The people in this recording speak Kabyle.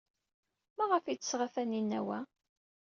Maɣef ay d-tesɣa Taninna wa?